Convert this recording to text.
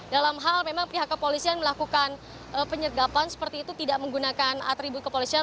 dalam hal memang pihak kepolisian melakukan penyergapan seperti itu tidak menggunakan atribut kepolisian